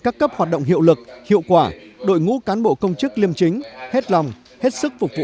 các cấp hoạt động hiệu lực hiệu quả đội ngũ cán bộ công chức liêm chính hết lòng hết sức phục vụ